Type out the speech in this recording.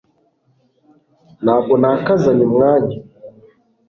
ntabwo ntakaza umwanya